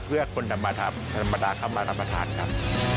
เพื่อคนธรรมดาเข้ามารับประทานครับ